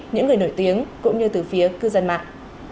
những người nổi tiếng cũng như từ phía cư dân mạng